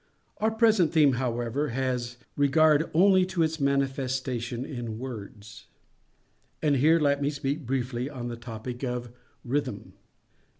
Our present theme, however, has regard only to its manifestation in words. And here let me speak briefly on the topic of rhythm.